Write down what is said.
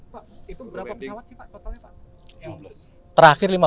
pak itu berapa pesawat sih pak totalnya pak